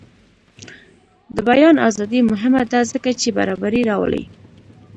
د بیان ازادي مهمه ده ځکه چې برابري راولي.